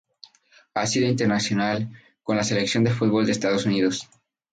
Ha sido internacional con la selección de fútbol de Estados Unidos.